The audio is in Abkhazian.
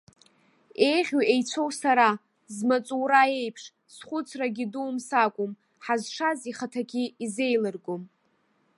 Еиӷьу еицәоу сара, змаҵура еиԥш, зхәыцрагьы дуум сакәым, ҳазшаз ихаҭагьы изеилыргом.